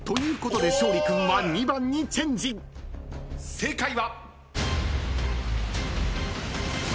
正解は。